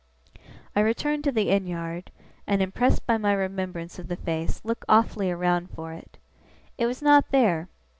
I returned to the inn yard, and, impressed by my remembrance of the face, looked awfully around for it. It was not there.